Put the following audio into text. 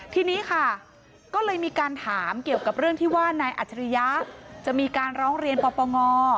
ทีนี้ค่ะก็เลยมีการถามเกี่ยวกับเรื่องที่ว่านายอัจฉริยะจะมีการร้องเรียนปปง